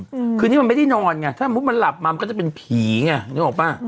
อืมคือนี่มันไม่ได้นอนไงถ้ามุติมันหลับมามันก็จะเป็นผีไงนึกออกป่ะ